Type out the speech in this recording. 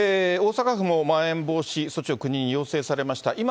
大阪府もまん延防止措置を国に要請されました。